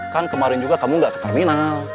kan kemarin juga kamu nggak ke terminal